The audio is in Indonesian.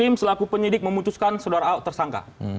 baris krim selaku penyidik memutuskan sodara ahok tersangka